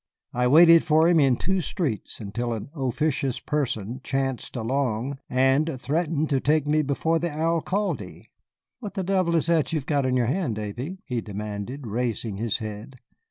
I waited for him in two streets until an officious person chanced along and threatened to take me before the Alcalde. What the devil is that you have got in your hand, Davy?" he demanded, raising his head.